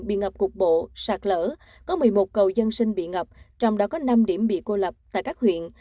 bị ngập cục bộ sạt lở có một mươi một cầu dân sinh bị ngập trong đó có năm điểm bị cô lập tại các huyện